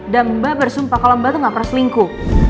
dan mbak bersumpah kalau mbak tuh gak peras lingku